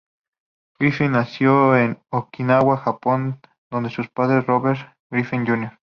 Griffin nació en Okinawa, Japón donde sus padres Robert Griffin Jr.